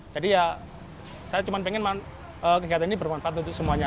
jadi ya saya cuma ingin kegiatan ini bermanfaat untuk semuanya